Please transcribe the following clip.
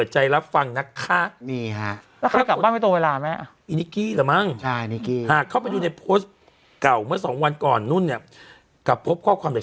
แดงแดงแดงแดงแดงแดงแดงแดงแดงแดงแดงแดงแดงแดงแดง